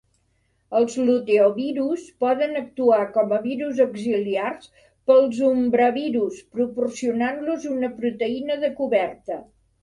Els luteovirus poden actuar com a virus auxiliars per als umbravirus, proporcionant-los una proteïna de coberta.